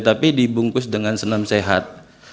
tapi dibungkus dengan senam sehat